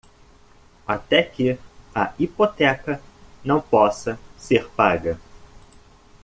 Até que a hipoteca não possa ser paga